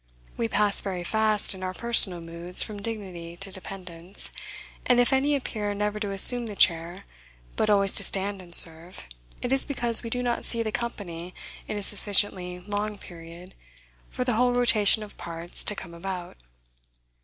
We pass very fast, in our personal moods, from dignity to dependence. And if any appear never to assume the chair, but always to stand and serve, it is because we do not see the company in a sufficiently long period for the whole rotation of parts to come about.